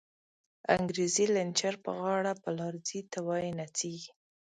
انگریزی لنچر په غاړه، په لار ځی ته وایی نڅیږی